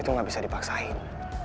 itu gak bisa dipaksain